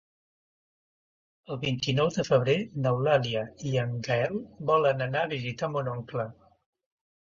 El vint-i-nou de febrer n'Eulàlia i en Gaël volen anar a visitar mon oncle.